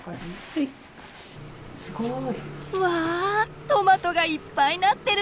すごい！わトマトがいっぱいなってる！